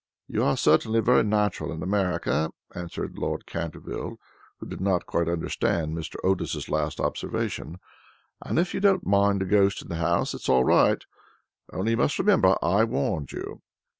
"You are certainly very natural in America," answered Lord Canterville, who did not quite understand Mr. Otis's last observation, "and if you don't mind a ghost in the house, it is all right. Only you must remember I warned you."